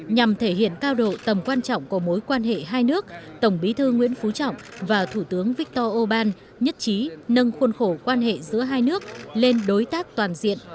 nhằm thể hiện cao độ tầm quan trọng của mối quan hệ hai nước tổng bí thư nguyễn phú trọng và thủ tướng viktor orbán nhất trí nâng khuôn khổ quan hệ giữa hai nước lên đối tác toàn diện